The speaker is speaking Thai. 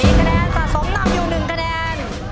มีคะแนนสะสมนำอยู่๑คะแนน